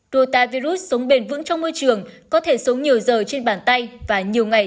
rota virus sống bền vững trong môi trường có thể sống nhiều giờ trên bàn tay và nhiều ngày